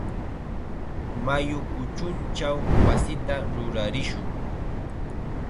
Mayu kuchunchaw wasita rurarishun.